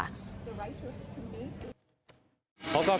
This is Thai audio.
ซึ่งจริงประเด็นที่เกิดขึ้นมันก็คือก่อนหน้านี้ถ้าจำกันได้